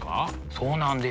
そうなんです。